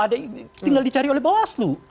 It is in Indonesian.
ada ini tinggal dicari oleh bawah aslu oke